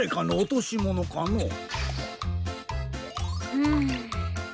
うん。